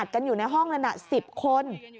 อัดกันอยู่ในห้องนั้นอ่ะ๑๐คน